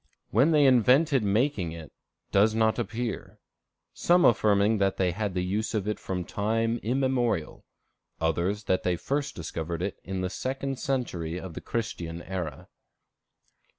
When they invented making it, does not appear, some affirming that they had the use of it from time immemorial; others that they first discovered it in the second century of the Christian era.